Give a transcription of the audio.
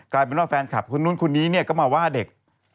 กลายเป็นว่าแฟนคลับคนนู้นคนนี้เนี่ยก็มาว่าเด็ก